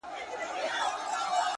زما خو ټوله كيسه هر چاته معلومه،